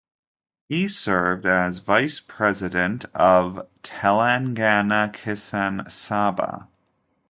He served as Vice President of the Telangana Kisan Sabha.